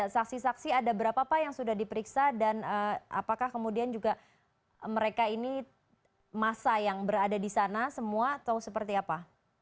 saksi saksi ada berapa pak yang sudah diperiksa dan apakah kemudian juga mereka ini masa yang berada di sana semua atau seperti apa